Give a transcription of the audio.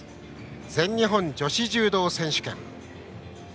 全日本女子柔道選手権。